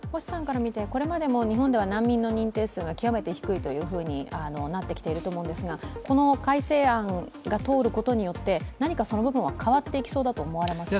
これまでも日本では難民の認定数が極めて低いとなってきていますがこの改正案が通ることによって何かその部分は変わっていきそうだと思いますか？